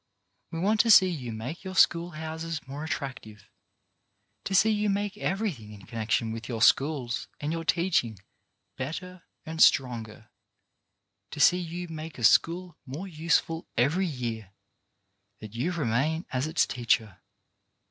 We want to see you make your school houses more attractive; to see you make every thing in connection with your schools and your teaching better and stronger; to see you make a school more useful every year that you remain as its teacher.